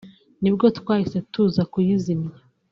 nibwo twahise tuza kuyizimya